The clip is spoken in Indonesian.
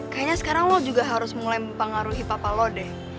kayaknya sekarang lo juga harus mulai mempengaruhi papa lo deh